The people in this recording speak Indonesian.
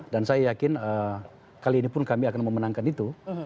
dan saya yakin kali ini pun kami akan memenangkan itu